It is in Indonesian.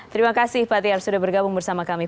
terima kasih pak tiar sudah bergabung bersama kami